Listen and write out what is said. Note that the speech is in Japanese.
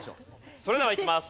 それではいきます。